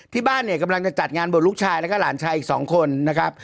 ที่บ้านเนี่ยกำลังจะจัดงานบวชลูกชายแล้วก็หลานชายอีก๒คนนะครับ